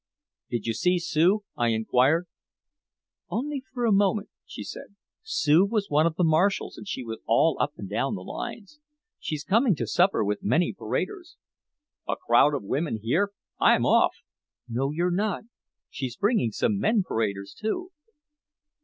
"Did you see Sue?" I inquired. "Only for a moment," she said. "Sue was one of the marshals and she was all up and down the lines. She's coming to supper with many paraders." "A crowd of women here? I'm off!" "No you're not. She's bringing some men paraders too."